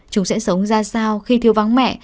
chúng sẽ sống ra sao khi thiếu vắng mẹ